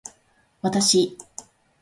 私